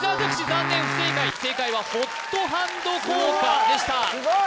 残念不正解正解はホットハンド効果でした・すごい！